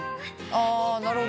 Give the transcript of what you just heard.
あなるほど。